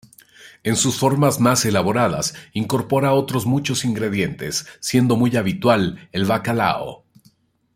En sus formas más elaboradas incorpora otros muchos ingredientes, siendo muy habitual el bacalao.